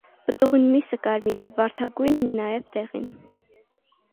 Պտուղին միսը կարմիր է, վարդագոյն, նաեւ՝ դեղին։